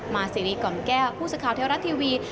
มาซีรีส์ก่อมแก้วพูดสักคราวเทวรัฐทีวี